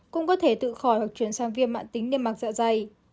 cũng có thể tự khỏi hoặc chuyển sang viêm mạc tính niêm mạc dọa dày